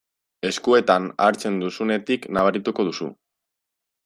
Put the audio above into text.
Eskuetan hartzen duzunetik nabarituko duzu.